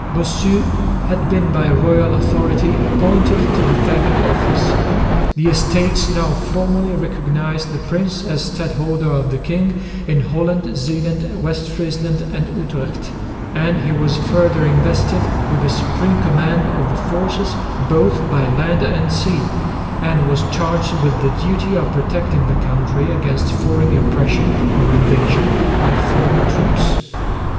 Bossu had been by royal authority appointed to the vacant office. The Estates now formally recognised the prince as Stadholder of the king in Holland, Zeeland, West Friesland and Utrecht; and he was further invested with the supreme command of the forces both by land and sea and was charged with the duty of protecting the country against foreign oppression or invasion by foreign troops.